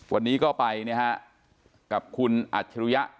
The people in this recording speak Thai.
วันนี้ก็ไปนะฮะกับคุณอัจฉริยะ